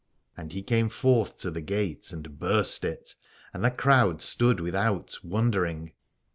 And he came forth to the gate ^75 Aladore and burst it, and the crowd stood without wondering.